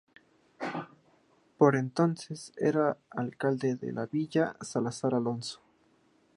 Por entonces era alcalde de la Villa, Salazar Alonso.